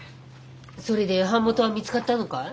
それで版元は見つかったのかい？